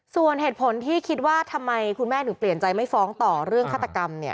ส่วนเหตุผลที่คิดว่าทำไมคุณแม่ถึงเปลี่ยนใจไม่ฟ้องต่อเรื่องฆาตกรรมเนี่ย